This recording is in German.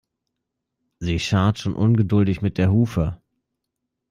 Sie scharrt schon ungeduldig mit der Hufe.